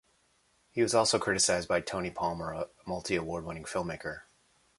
He was also criticised by Tony Palmer, a multi-award-winning filmmaker.